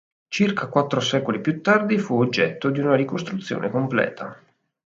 Circa quattro secoli più tardi fu oggetto di una ricostruzione completa.